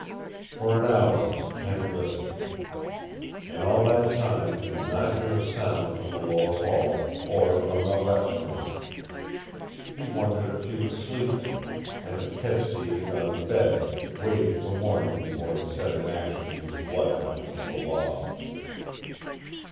For an hour Kent listened. In all that time he did not hear a sound from the lower hall or from Marette's room. He wondered if she was sleeping, and if Kedsty had gone to bed, waiting for morning before he set in action his bloodhounds of the law.